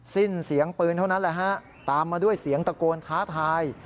สิ้นเสียงปืนเท่านั้นแหละฮะตามมาด้วยเสียงตะโกนท้าทาย